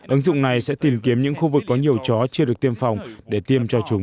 ứng dụng này sẽ tìm kiếm những khu vực có nhiều chó chưa được tiêm phòng để tiêm cho chúng